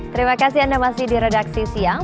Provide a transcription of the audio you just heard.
terima kasih anda masih di redaksi siang